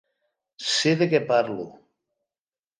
Sé de què parlo.